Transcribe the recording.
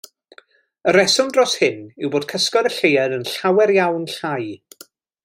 Y rheswm dros hyn yw bod cysgod y Lleuad yn llawer iawn llai.